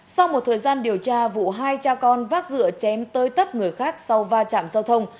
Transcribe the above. sau một thời gian điều tra vụ hai cha con vác dựa chém tới tấp người khác sau va chạm giao thông